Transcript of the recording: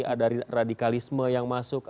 ada radikalisme yang masuk